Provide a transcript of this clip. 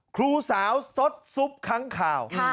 ครูสาวสดซุปค้างข่าว